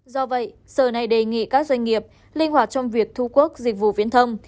do vậy sở này đề nghị các doanh nghiệp linh hoạt trong việc thu quốc dịch vụ viễn thông